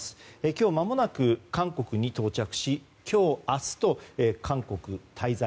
今日、まもなく韓国に到着し今日、明日と韓国滞在。